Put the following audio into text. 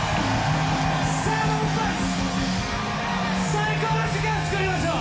最高の時間つくりましょう！